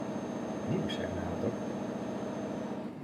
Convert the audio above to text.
Mi újság nálatok?